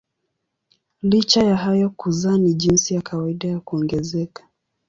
Licha ya hayo kuzaa ni jinsi ya kawaida ya kuongezeka.